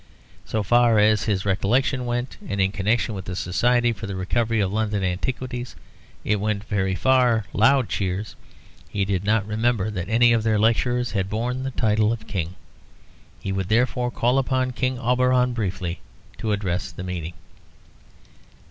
So far as his recollection went, and in connection with the Society for the Recovery of London Antiquities it went very far (loud cheers), he did not remember that any of their lecturers had borne the title of King. He would therefore call upon King Auberon briefly to address the meeting.